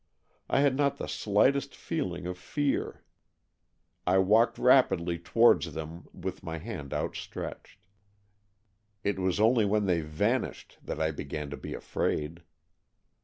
I had not the slightest feeling of fear. I walked rapidly towards them with my hand AN EXCHANGE OF SOULS 253 outstretched. It was only when they vanished that I began to be afraid.